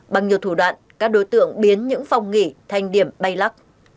bằng nhiều thủ đoạn các đối tượng biến những phòng nghỉ thành điểm bay lắc